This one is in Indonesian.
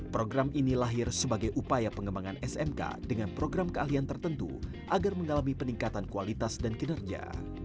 program ini lahir sebagai upaya pengembangan smk dengan program keahlian tertentu agar mengalami peningkatan kualitas dan kinerja